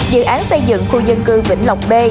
dự án xây dựng khu dân cư vĩnh lộc b